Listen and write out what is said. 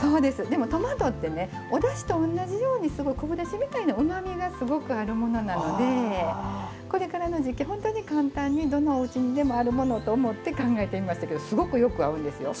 でもトマトってねおだしと同じように昆布だしみたいなうまみがすごくあるものなのでこれからの時期本当に簡単にどのおうちにでもあるものと思って考えてみましたけどすごくよく合うんですよ。